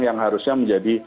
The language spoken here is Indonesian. yang harusnya menjadi